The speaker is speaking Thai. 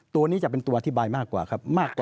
ตัวนี้จะเป็นตัวอธิบายมากกว่าครับมากกว่า